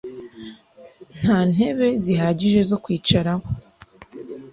Nta ntebe zihagije zo kwicaraho.